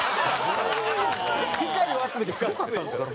光を集めてすごかったんですから。